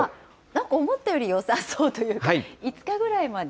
思ったよりよさそうというか、５日ぐらいまで？